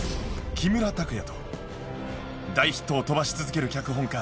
木村拓哉と大ヒットを飛ばし続ける脚本家